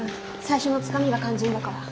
最初のつかみが肝心だから。